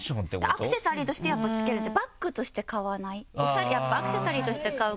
アクセサリーとしてつけるんです。